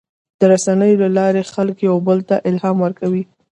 د رسنیو له لارې خلک یو بل ته الهام ورکوي.